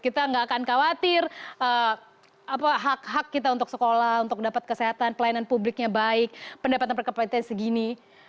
kita nggak akan khawatir hak hak kita untuk sekolah untuk dapat kesehatan pelayanan publiknya baik pendapatan per kapita segini